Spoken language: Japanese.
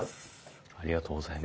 ありがとうございます。